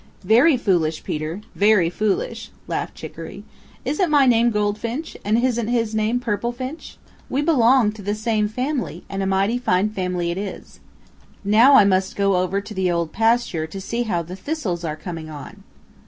"Very foolish, Peter. Very foolish," laughed Chicoree. "Isn't my name Goldfinch, and isn't his name Purple Finch? We belong to the same family and a mighty fine family it is. Now I must go over to the Old Pasture to see how the thistles are coming on."